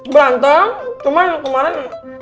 berantem cuma yang kemarin